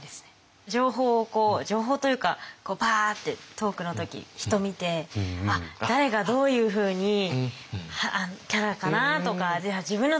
情報を情報というかパーッてトークの時人見て誰がどういうふうにキャラかなとか自分の立ち位置